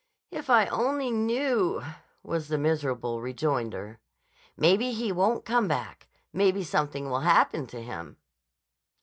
"If I only knew!" was the miserable rejoinder. "Maybe he won't come back. Maybe something will happen to him."